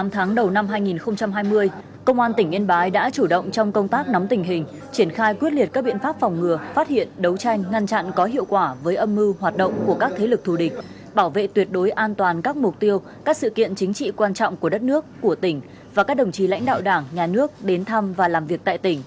năm tháng đầu năm hai nghìn hai mươi công an tỉnh yên bái đã chủ động trong công tác nắm tình hình triển khai quyết liệt các biện pháp phòng ngừa phát hiện đấu tranh ngăn chặn có hiệu quả với âm mưu hoạt động của các thế lực thù địch bảo vệ tuyệt đối an toàn các mục tiêu các sự kiện chính trị quan trọng của đất nước của tỉnh và các đồng chí lãnh đạo đảng nhà nước đến thăm và làm việc tại tỉnh